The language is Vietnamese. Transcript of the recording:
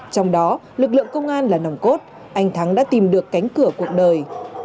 trong đó lực lượng công an là nòng cốt anh thắng đã tìm được cánh cửa cuộc đời